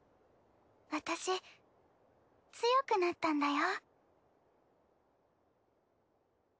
私強くなったんだよ。